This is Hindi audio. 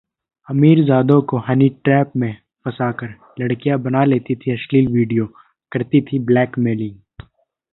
अमीरजादों को हनीट्रैप में फंसाकर लड़कियां बना लेती थीं अश्लील वीडियो, करती थीं ब्लैकमेलिंग